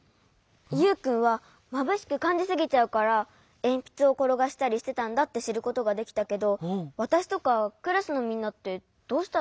ユウくんはまぶしくかんじすぎちゃうからえんぴつをころがしたりしてたんだってしることができたけどわたしとかクラスのみんなってどうしたらいいの？